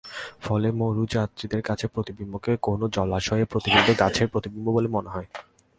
ফলে মরুযাত্রীর কাছে প্রতিবিম্বকে কোনো জলাশয়ে প্রতিফলিত গাছের প্রতিবিম্ব বলে মনে হয়।